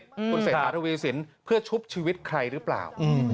คุณเศรษฐาทวีสินเพื่อชุบชีวิตใครหรือเปล่า